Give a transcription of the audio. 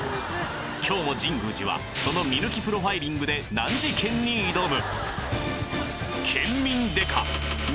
今日も神宮寺はその見抜きプロファイリングで難事件に挑む！